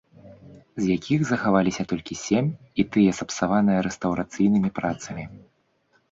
З якіх захаваліся толькі сем, і тыя сапсаваныя рэстаўрацыйнымі працамі.